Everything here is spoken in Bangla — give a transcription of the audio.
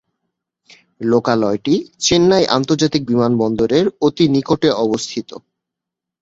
লোকালয়টি চেন্নাই আন্তর্জাতিক বিমানবন্দরের অতি নিকটে অবস্থিত।